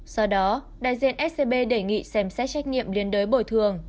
do đó đại diện scb đề nghị xem xét trách nhiệm liên đối bồi thường